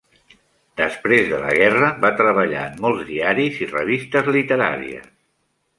Després de la guerra va treballar en molts diaris i revistes literàries.